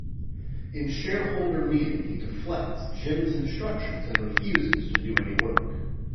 In "Shareholder Meeting", he deflects Jim's instructions and refuses to do any work.